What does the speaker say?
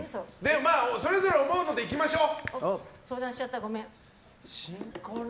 それぞれ思うのでいきましょう。